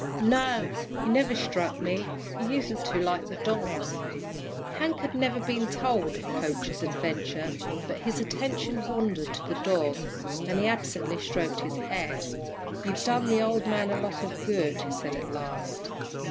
"No, he never struck me he usen't to like the dogs." Hank had never been told of Poacher's adventure, but his attention wandered to the dog, and he absently stroked his head. "You've done the old man a lot of good," he said at last.